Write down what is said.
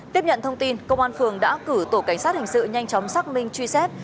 tiếp nhận thông tin công an phường đã cử tổ cảnh sát hình sự nhanh chóng xác minh truy xét